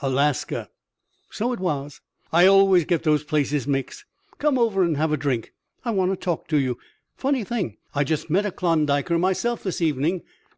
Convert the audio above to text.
"Alaska." "So it was. I always get those places mixed. Come over and have a drink. I want to talk to you. Funny thing, I just met a Klondiker myself this evening.